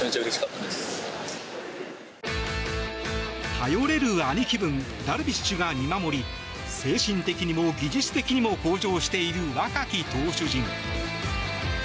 頼れる兄貴分ダルビッシュが見守り精神的にも技術的にも向上している若き投手陣。